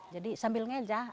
jadi sambil ngejah